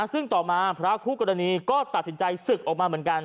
ซึ่งต่อมาพระคู่กรณีก็ตัดสินใจศึกออกมาเหมือนกัน